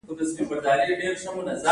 پښتو ادب بډای دی